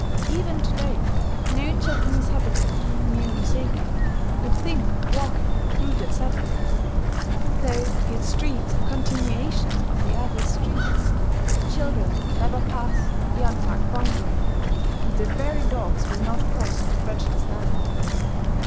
Even to day, no Japanese habitant of Mionoseki would think of walking through that settlement, though its streets are continuations of the other streets: children never pass the unmarked boundary; and the very dogs will not cross the prejudice line.